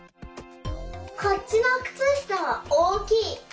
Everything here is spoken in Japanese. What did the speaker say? こっちのくつしたはおおきい。